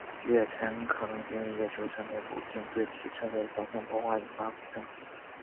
月尘可能进入月球车内部并对其设备造成破坏引发故障。